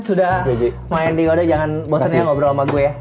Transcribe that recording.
sudah main di goda jangan bosan ya ngobrol sama gue ya